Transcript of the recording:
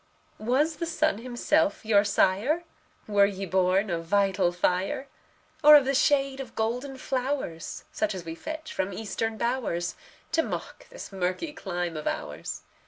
Was the sun himself your sire? Were ye born of vital fire? Or of the shade of golden flowers, Such as we fetch from Eastern bowers, To mock this murky clime of ours?